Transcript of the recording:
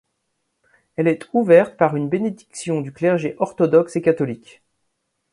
Elle est ouverte par une bénédiction du clergé orthodoxe et catholique.